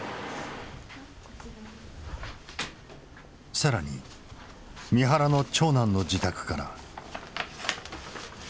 更に三原の長男の自宅からは。